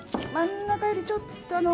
真ん中よりちょっと。